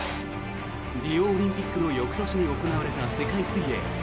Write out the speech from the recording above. リオオリンピックの翌年に行われた世界水泳。